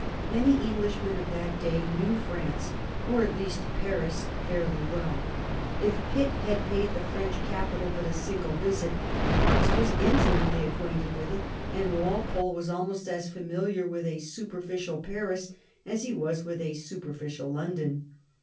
Many Englishmen of that day knew France, or at least Paris, fairly well. If Pitt had paid the French capital but a single visit, Fox was intimately acquainted with it, and Walpole was almost as familiar with a superficial Paris as he was with a superficial London.